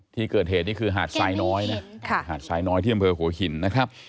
ที่เกิดเหตุนี่คือหาดทรายน้อยนะหาดทรายน้อยที่อำเภอหัวหินนะครับ